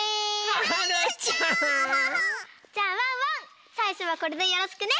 はるちゃん！じゃあワンワンさいしょはこれでよろしくね！